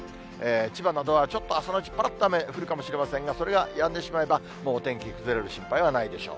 千葉などはちょっと朝のうち、ぱらっと雨、降るかもしれませんが、それがやんでしまえばもうお天気崩れる心配はないでしょう。